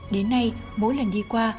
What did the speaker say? đến nay mỗi lần đi qua